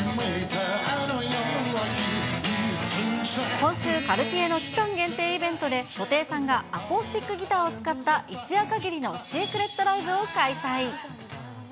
今週、カルティエの期間限定イベントで、布袋さんがアコースティックギターを使った一夜限りのシークレットライブを開催。